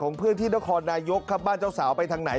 เพื่อนที่นครนายกครับบ้านเจ้าสาวไปทางไหน